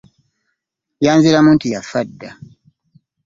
Yanziramu nti Yafa dda!